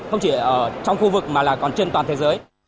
không chỉ ở trong khu vực mà là còn trên toàn thế giới